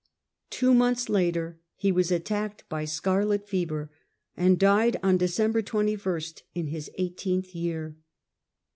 Two months later ho was attacked by scarlet fever, and died on December 21st in his eighteenth year.